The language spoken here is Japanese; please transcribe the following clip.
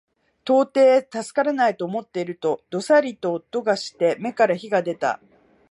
到底助からないと思っていると、どさりと音がして眼から火が出た